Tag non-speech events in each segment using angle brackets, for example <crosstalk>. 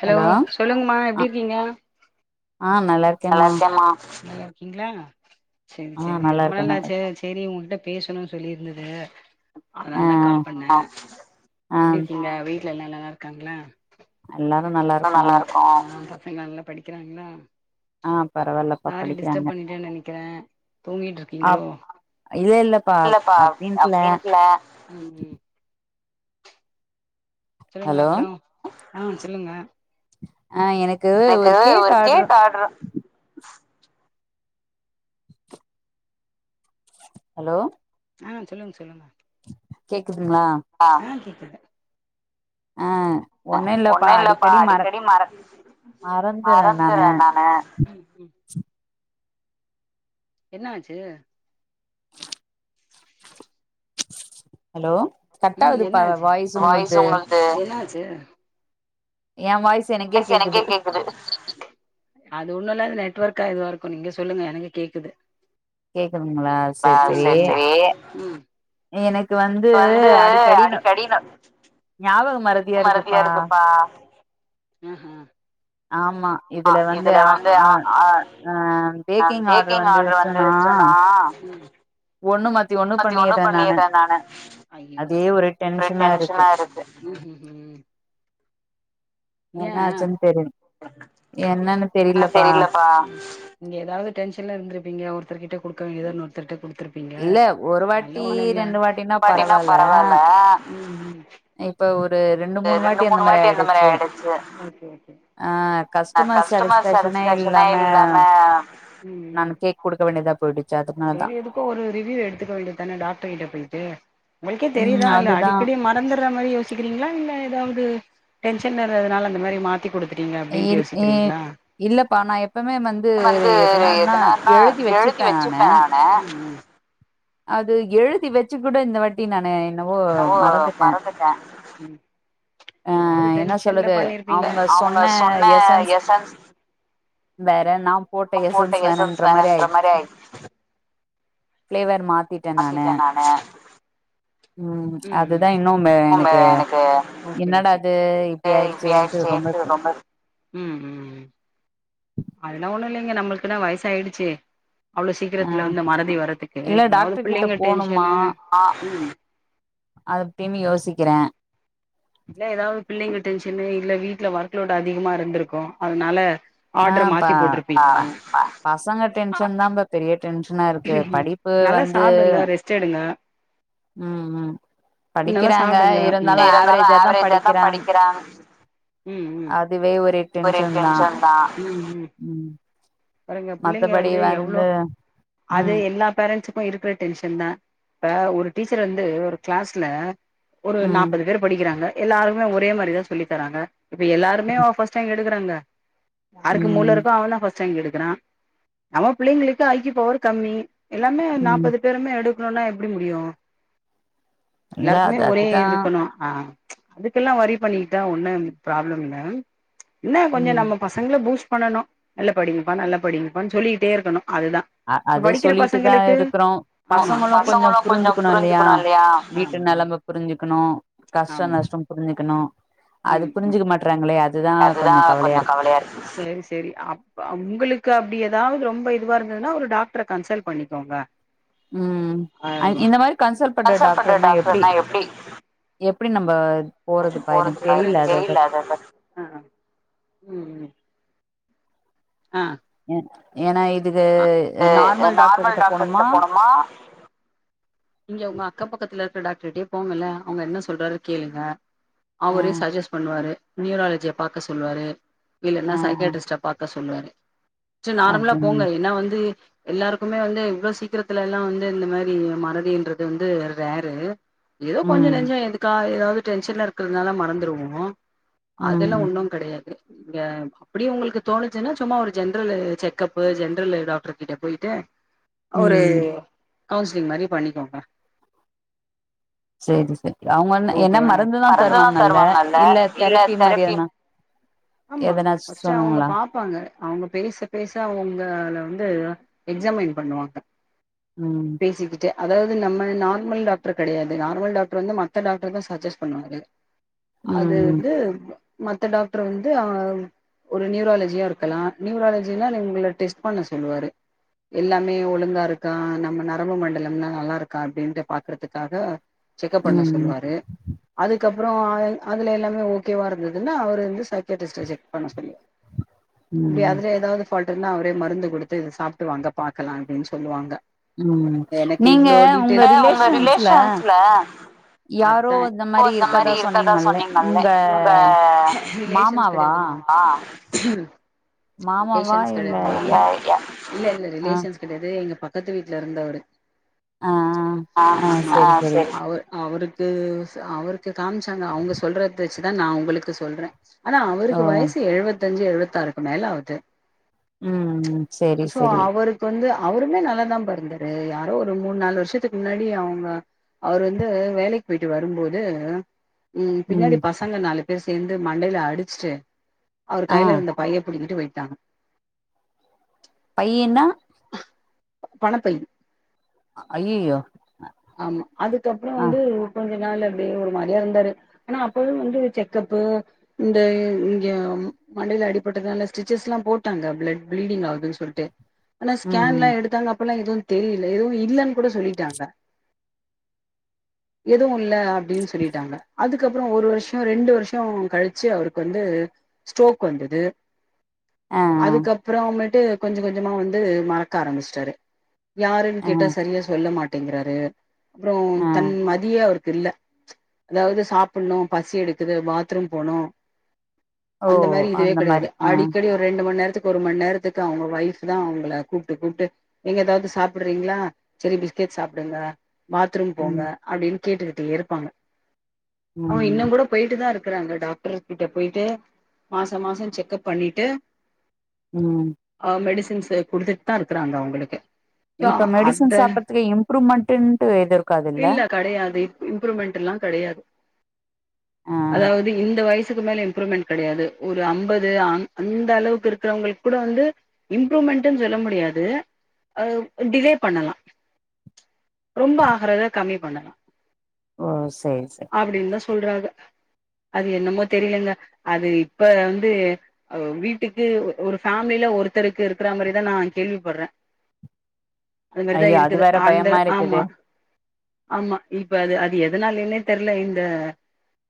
hello சொல்லுங்மா எப்டிர்க்கிங்க ஆஹ் நல்லா இர்க்கேம்மா நல்லார்க்கிங்ளா செரி செரி ரொம்ப நள்ளாச்சே செரி ஊங்கிட்ட பேசணு சொல்லி இருந்தது அதனால தா கால் பண்ணே எப்டிர்க்கிங்க வெய் ட்ல எல்லா நல்லாருக்காங்ளா மண்டல் நல்லாருக்கோ சங்க நல்லா படிக்றாங்ளா சாரி டிஸ்டப் பண்ணிட்டே நெனைக்கிறேன் தூங்கீட் ருக்கீங்களோ இல்ல பா அப்பிடின்ட்ல சொல்லுங்க அப்பறம் ஆ சொல்லுங்க எனக்கு ஒரு கேக் ஆட்ரு ஹலோ ஆ சொல்லுங்க சொல்லுங்க குதுங்ளா ஒண்ணு இல்லப்பா அடிக்கடி மற மறந்துறேன் நானு என்ன ஆச்சு ஹலோ ம் என்னாச்சு வாய்ஸ் உங்களது என்னாச்சு என் வாய்ஸ் வாய்ஸ் எனக்கே கேக்குது இன்னுரு நால் நெட்வர்க்கா இதுவாருக்குண்ணீங்க சொல்லுங்க எனக்கு கேக்குது பா செ எனக் வந்து அடிக்கடி ந ஞாபக மறதியா இருக்குப்பா ம்ஹூம் ஆ இதுல வந்து ஆ அ அ பேக்கிங் ஆடர் வந்துருச்சுனா ஒண்ணு மாத்தி ஒண்ணு பண்ணிட்ற நானு ஒரு டென்ஷனா இருக்கு ஏ நீங்க ஏதாவது டென்ஷல இருந்துருப்பீங்க ஒருத்தர் கிட்ட குடு க்க வேண்டியதா இன்னொருத்தர்ட்ட குடு த்துருப்பீங்க அதலா ஒண்ணு இல்ல ம், ம் இப்ப ஒரு ஒரு ரெண்டு மூணு வாட்டி அந்த மாரி ஆயிடுச்சு ஆ கஸ்டமர் சேடிஸ்பேக்சனே இல்லாம நானு கேக் குடுக்க வேண்டியதா போயிடு சேரி எதுக்கு ஒரு ரிவ்யூ எடுத்துக்க வேண்டியதுதான டாக்டர் கிட்ட போயிட்டு உங்களுக்கே தெரியுதா இல்ல அடிக்கடி மறந்துட்ற மாரி யோசிக்கிறீங்களா இல்ல ஏதாவது டென்ஷன்ல இருந்ததுனால அந்த மாரி மாத் இல் இ இல்லப்பா நா எப்பமே வந்து எதுனான்னா எழுதி வச்சிருப்ப நானு தானா அது எழுதி வச்சு கூட இந்த வாட்டி நானு என்னவோ மறந்துட்ட ஏதாவது டென்ஷன்ல பண்ணிருப்பீங்க அவுங்க சொன்ன எஸ்ன்ஸ் நா போட்ட எஸ்ன்ஸ் வேறன்ற மாரி ஆயிருச்சு ஃப்ளேவர் மா மாத்திட்டே நானு உம் ஓகே ஓகே உம் உம் அதெல்லா ஒண்ணு இல்லங்க நம்ளுக்கு என்ன வயசா ஆயிடுச்சு அவ்ளோ சீக்கிரத்துல வந்து இந்த மறதி வர்றதுக்கு எதாவுது புள்ளைங்க டென்ஷனு அ ம் அப்டினு யோசிக்கிறே இல்ல ஏதாவது பிள்ளைங்க டென்ஷன்னு இல்ல வீட்டுல ஒர்க் லோட் அதிகமா இருந்திருக்கு அதனால ஆஹ் ப ப பசங்க டென்ஷன் தா பெரிய டென்ஷனா இருக்கு படிப்பு வந்து உம் ம் படிக்கிறாங்க இருந்தாலு ஆவரேஜா தா படிக்கிறாங் அதுவே ஒரு டென்ஷன் தா உம் உம் பாங்க பிள்ளைங்க வந்து எவ்ளோ அது எல்லா பேரன்ஸுக்கு இருக்கிற டென்ஷன் தா இப்ப ஒரு டீச்சர் வந்து ஒரு கிளாஸ்ல ஒரு நாப்பது பேர் படிக்கிறாங்க எல்லாருமே ஒரே மாரிதா சொல்லி தராங்க இப்ப எல்லாருமே அ ஃபர்ஸ்ட் கேக்கறாங்க யாருக்கு மூள இருக்கோ அவெ தா ஃபர்ஸ்ட் சங்கி எடுக்கிறா நம்ம பிள்ளைங்களுக்கு ஐக்யூ பவர் கம்மி எல்லாமே நாப்பது பேருமே எடு க்னுன்னா எப்படி முடியு எல்லாருக்குமே ஒரே இது இருக்கனு ஆஹ் அதுக்கெல்லா ஒரி பண்ணிட்டா ஒண்ணும் ப்ராப்ளம் இல்ல என்ன கொஞ்சோ நம்ம பசங்கள பூஸ் பண்ணணு நல்ல படிங்கப்பா நல்லா படிங்கப்பான்னு சொல்லிக்கிட்டே இருக்கனு அ அது சொல்லிட்டு தா இருக்கிறோ பசங்களு கொஞ்சோ புரிஞ்சுக்கணு இல்லையா வீட்டு நிலமை புரிஞ்சுக்கணு கஷ்ட நஷ்டம் புரிஞ்சுக் க்கணு உம் அது தா கொஞ்சம் கவலையா இருக்கு சரி சரி அப் உங்களுக்கு அப்டி ஏதாவது ரொம்ப இதுவா இருந்ததுன்னா ஒரு டாக்டர கன்சல்ட் பண்ணிக்கோங்க ம், அன் இந்த மாரி கன்சல்ட் பண்ற டாக்டர்னா எப்டி எப்டி நம்ப போறதுப்பா எனக் அவரு ஜெயில் அததா, ஆஆ, ம்ம் ஆ ஏ ஏனா இ இது நார்மல் டாக்டர் கிட்ட போனுமா இங்க உங்க அக்கம்பக்கத்துல இருக்கற டாக்டர்கிட்டயே போங்கல்லே அவங்க என்ன சொல்றாரு கேளுங்க அவரே சஜஸ் பண்ணுவாரு நியூராலஜிய பாக்க சொல்லுவாரு இல்லனா சைக்காட்டிஸ்ட பாக்க சொ சொல்லுவரு ஸ்ட் நார்மலா போங்க ஏன்னா வந்து எல்லாருக்குமே வந்து இவ்ளோ சீக்கிரத்துல எல்லா வந்து இந்த மாரி மற தின்றது வந்து ரேரு ஏதோ கொஞ்ச நஞ்சோ எதுக்கா ஏதா டென்ஷனா இருக்கிறதுனால மறந்துடுவோ அதெல்லா ஒண்ணும் கிடையாது இங்க அப்படியே உங்களுக்கு தோணுச்சுன்னா சும்மா ஒரு ஜென்ரல் செக்கப்பு ஜென்ரல் டாக்டர் கிட்ட போய்ட்டு அவரு கவுன்சிலிங் மாரி பண்ணிக் கோங்க சேரி சே ஓக்கேவா மருந்துதா தருவாங்குளா இல்ல தெரபி ஆம்மா பஸ்ட்டு அவுங்க பாப்பாங்க அவுங்க பேச பேச அவுங் உங்காள வந் து எக்ஸாமைன் பண்ணுவாங்க பேசிக்கிட்டே அதாவுது நம்ம நார்மல் டாக்டர் கெடையாது நார்மல் டாக்டர் வந்து மத் த டாக்டர்தா சஜஸ்சு பண்ணுவாங்க அது வந்து மத்த டாக்டர் வந்து ஆ ஒரு நியூராலஜியா இருக்குலா நியூராலஜினா உங்கள டெஸ்ட் பண்ண சொல்லுவாரு எல்லாமே ஒழுங்கா இருக்கா நம்ம நரம்பு மண்டலம்லா நல்லா இருக்கா அப்டின்யிட்டு பாக்குறதுக்காக செக்கப் பண்ணஸ் சொல்லுவாரு அதுக்கப் பறோ ஆயி அதில் எல்லாமே ஓகேவே இருந்ததுன்னா அவரு வந்து சைக்கேட்டிஸ்ட்ட செக் பண்ண சொல் அப்டி அதுல எதாவுது ஃபால்ட் இருந்த அவுரே மருந்து குடுத்து இது சாப்புட்டுவாங்க பாக்குலா அப்டின் சொல்லுவாங்க எனக்கு இவ்ளோ டீடெயில்ஸ் இல்ல அவங்க ரிலேஷன்ஸ்சுல அதே இப்போ இந்த மாரி இருக்கதா சொன்னீங்கள்ள இவுங்க ரிலேஷன்ஸ்சு கெடையாதும்மா மாமாவா ரிலேஷன்ஸ்சு கெடையாது <inaudible> இல்லல்ல ரிலேஷன்ஸ்சு கெடையாது இங்க எங்க பக்கத்து வீட்ல இருந்தவரு அ ஹா ஆ சேரி அவருக் கு அவருக் க்கு காமிச்சாங்க அவங்க சொல்றது வெச்சுதா நா உங்களுக்கு சொல்றே ஆனா அவருக்கு வயசு எழுவத்தஞ்சு எழுவத் த்தாறுக்கு மேலாவுது உம் ம் சேரி செரி அவுருமே நல்லதாம்பா இருந்தாரு யாரோ ஒரு மூண் நாலு வருஷத்துக்கு முன்னாடி அவுங்க அவரு வந்து வேலைக் போயிட்டு வரும்போது உம் பின்னாடி பசங்க நாலுப் பேர் சேந்து மண்டைல அடிச்சுட்டு அவர் கையில இருந்த பைய புடிங்கிட்டு வெட் ட்டாங் பையின்னா பணப்பை ஆம்மா அதுக்கப்பறோ வந்து கொஞ்ச நாள் அப்டியே ஒரு மாரியா இருந்தாரு ஆனா அப்பவே வந்து செக்கப்பு இந்த இங்க மண்டையில அடிப்பட்டதுனால ஸ்டிச்சஸ்ல்லா போட்டாங்க பிளட் பிளீடிங் ஆகுதுன் சொல்ட்டு ஆனா ஸ்கேன்லா எடுத்தாங்க அப் அப்பல்லா எதுவு தெரியல எதுவு இல்லன்னு கூட சொல்லிட்டாங்க எதுவு இல்ல அப்டின்னு சொல்லிட்டாங்க அதுக்கப்பறொ ஒரு வருஷொ ரெண்டு வருஷொ கழிச்சு அவருக்கு வந்து ஸ்ட்ரோக் வந்துது அதுக்கப்புறமேட் ட்டு கொஞ்சொ கொஞ்சமா வந்து மறக்க ஆரம்பிச்சுட்டாரு யாருன்னு கேட்டா சரியா சொல்ல மாட் டேங்குறாரு அப்புறம் தன் ம ந்த அவருக்கு இல்ல அதாவது சாப்பிடணு பசி எடுக்குது பாத்ரூம் போனு அந்த மாரி இதுவே கெடையாது அடிக்கடி ஒரு ரெண்டு மண் நேரத்துக் கொரு மண் நேரத்துக்கு அவங்க ஒய்ஃப்தா அவங்கள கூப்ட்டு கூப்ட்டு ஏங்க எதாவது சாப்பிடுறீங்களா சரி பிஸ்கெட் சாப்புடுங்க பாத்ரூம் போங்க னு கேட்டுக்குட்டே இருப்பாங்க அவன் இன்னும் கூட போயிட்டு தான் இருக் இருக்கறாங்க டாக்டர் கிட்ட போயிட்டு மாசம் மாசம் செக்கப் பண்ணிட்டு ஆஹ் மெடிச சன்ஸ் குடுத்துட்டு தான் இருக்கறாங்க அவங்களுக்கு இப்ப மெடிசன் சாப்பறதுக்கு இம்ப்ரூவ்மெண்ட்டுன்டு எதுவும் இருக்காது இல்ல கெடையாது இம்ப்ரூவ்மெண்ட் எல்லாம் கெடையாது அதாவது இந்த வயசு சுக்குமேல இம்ப்ரூவ்மெண்ட் கெடையாது ஒரு அம்பது அந்த அளவுக்கு இருக்கிறவங்களுக்கு கூட வந்து இம்ப்ரூவ்மெண்ட்டுன்னு சொல்ல முடியாது அது டிலே பண்ணலாம் ரொம்ப ஆகறத கம்மி கொல்லலாம் ஓ செரி செரி சொல்றாங்க அது என்னமோ தெரியலங்க அது இப்ப வந்து வீட்டுக்கு ஒரு ஃபேமிலில ஒருத்தருக்கு இருக்கற மாதிரிதான் நான் கேள்விப்படுறேன் ஐயோ அது வேற பயமா இருக்குது ஆமா இப்ப அது அது எதனாலனே தெரல இந்த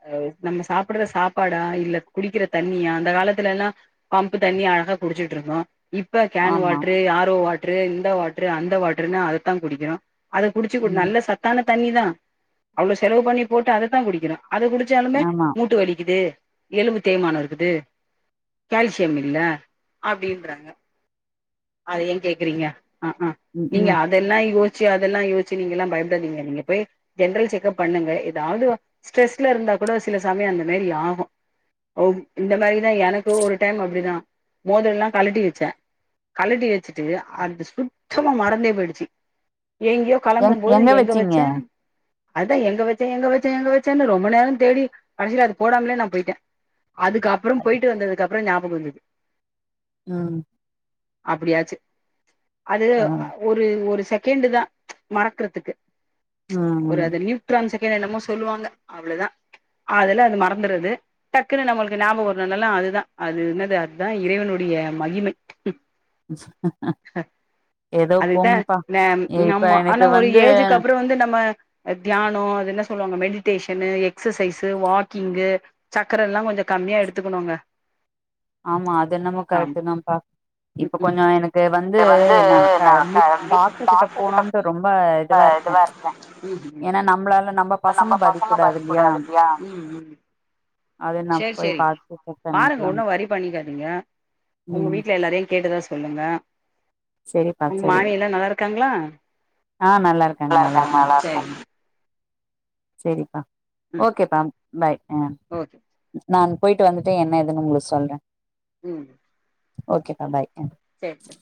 அஹ் நம்ம சாப்பிடுற சாப்பாடா இல்ல குடிக்கிற தண்ணியா அந்த காலத்துல எல்லாம் பம்பு தண்ணியா அழகா குடிச்சுட்டு இருக்கோம் இப்ப can water R O water இந்த வாட்டரு அந்த வாட்டருன்னு அதைத்தான் குடிக்கிறோ அது குடிச்சு நல்ல சத் தண்ணி தான் அவ்வளவு செலவு பண்ணி போட்டு அதைத்தான் குடிக்கிறொ அது குடிச்சாலுமே மூட்டு வலிக்குது எலும்பு தேமானம் இருக்குது கால்சியம் இல்ல அப்டின்றாங்க அத ஏன் கேக்குறீங்க ஆஹ் ஆஹ் நீங்க அதெல்லாம் ச்சி அதெல்லாம் யோச்சி நீங்களாம் பய ங்க நீங்க போய் ஜெனரல் செக்அப் பண்ணுங்க ஏதாவது ஸ்டரஸ்ல இருந்தா கூட சில சமயம் அந்த மாரி ஆகும் இந்த மாரிதான் எனக்கு ஒரு டைம் அப்படிதான் மோதல்ல்லாம் கழட்டி வச்சேன் கழட்டி வச்சுட்டு அது சுத்தமா மறந்தே போயிடுச்சு எங்கேயோ கிளம்பும் போது எங்க வச்சேன் அதான் எங்க வச்சேன் எங்க வச்சேன் எங்க வச்சேன்னு ரொம்ப நேரம் தேடி கடைசியல அது போடாமலே நான் போயிட்டேன் அதுக்கு அப்புறம் போயிட்டு வந்ததுக்கப்பு அப்புறம் ஞாபகம் வந்தது உம் அப்டியாச்சு அது ஒரு ஒரு செகண்டு் தான் மறக்கறதுக்கு ஒரு அது நியூட்ரான் செக் என்னமோ சொல்லுவாங்க அவ்வளவுதான் அதுல அது மறந்துறது டக்குன்னு நம்மளுக்கு ஞாபகம் ஒருல்லாம் அதுதான் அதுனது அதுதான் இறைவனுடைய மகிமை ஏதோ போங்கப்பா இப்ப எனக்கு வந்து வந்து நம்ம தியானம் அது என்ன சொல்லுவாங்க மெடிடேஷன் எக்ச சைஸ் வாக்கிங்கு சக்கரம் எல்லாம் கொஞ்ச கம்மியா எடுத்துக்கணுங்க ஆமா அது என்னமும் கரெக்ட் தாப்பா இப்ப கொஞ்ச எனக்கு வந்து நா கண்டிப் டாக்டர் கிட்ட போனும்ன்ட்டு ரொம்ப இதுவா இருக்கே நம்ம பசங்க பாதிக்க கூடாதுல்லா சரி சரி பாருங்க ஒன்னு வரி பண்ணிக்காதீங்க உங்க வீட்ல எல்லாரையும் கேட்டதா சொல்லுங்க சரிப்பா சரி ஆ நல்லா இருக் நல்லா இருக்காங்க நல்லா இருக்காங்க சேரி சேரிப்பா ஓகேப்பா பாய் நான் போயிட்டு வந்துட்டு என்ன ஏதுன்னு உங்களுக்கு சொல்ற உம் ஓகேப்பா பாய் சேரி சேரி